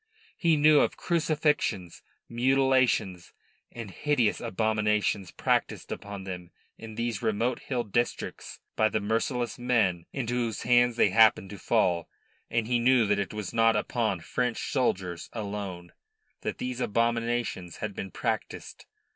He knew of crucifixions, mutilations and hideous abominations practised upon them in these remote hill districts by the merciless men into whose hands they happened to fall, and he knew that it was not upon French soldiers alone that these abominations had been practised.